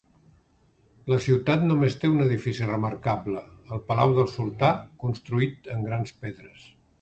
La ciutat només té un edifici remarcable: el palau del sultà, construït en grans pedres.